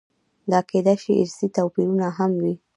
دا کېدای شي ارثي توپیرونه هم وي.